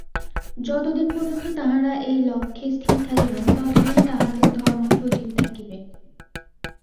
যতদিন পর্যন্ত তাঁহারা এই লক্ষ্যে স্থির থাকিবেন, ততদিন তাঁহাদের ধর্ম সজীব থাকিবে।